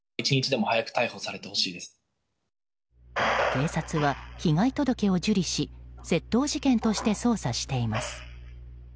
警察は被害届を受理し窃盗事件として捜査しています。